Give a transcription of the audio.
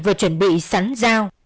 vừa chuẩn bị sắn dao